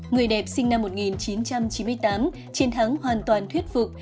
người đẹp sinh năm một nghìn chín trăm chín mươi tám chiến thắng hoàn toàn thuyết phục